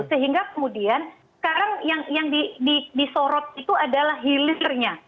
sehingga kemudian sekarang yang disorot itu adalah hilirnya